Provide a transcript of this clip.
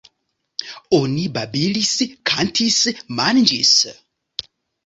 Oni babilis, kantis, manĝis.